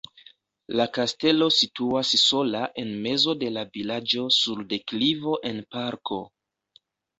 La kastelo situas sola en mezo de la vilaĝo sur deklivo en parko.